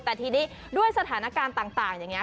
แต่ทีนี้ด้วยสถานการณ์ต่างอย่างนี้